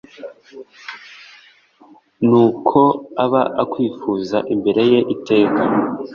ni uko aba akwifuza imbere ye iteka